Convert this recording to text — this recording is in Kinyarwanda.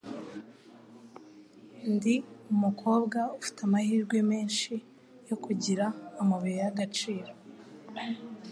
Ndi umukobwa ufite amahirwe menshi yo kugira amabuye y'agaciro